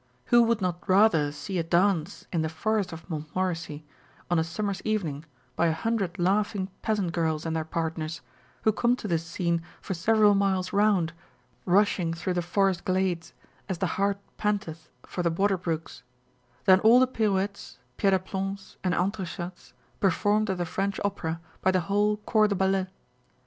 Who would not rather see a dance in the forest of Montmorenci on a summer's evening by a hundred laughing peasant girls and their partners, who come to this scene for several miles round, rushing through the forest glades, as the hart panteth for the water brooks, than all the pirouettes, jried a jtlombs, and entrechats performed at the French Opera by the whole corps do ballet